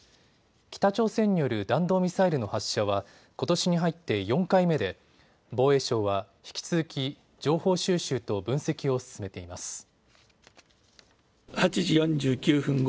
北朝鮮による弾道ミサイルの発射は、ことしに入って４回目で防衛省は引き続き情報収集と分析を進めています。